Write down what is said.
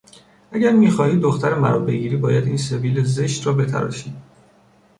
اگر میخواهی دختر مرا بگیری باید این سبیل زشت را بتراشی!